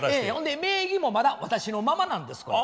ほんで名義もまだ私のままなんです。